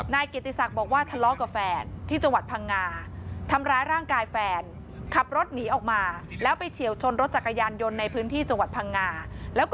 นายเกียรติศักดิ์บอกว่าทะเลาะกับแฟนที่จังหวัดพ่างงา